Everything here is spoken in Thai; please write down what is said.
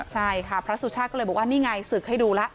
ใช่ค่ะพระสุชาติก็เลยบอกว่านี่ไงศึกให้ดูแล้ว